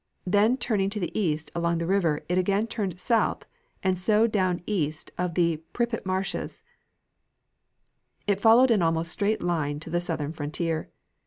Then turning to the east along the river, it again turned south and so on down east of the Pripet Marshes, it followed an almost straight line to the southern frontier.